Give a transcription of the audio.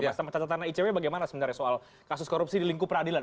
catatan icw bagaimana sebenarnya soal kasus korupsi di lingkup peradilan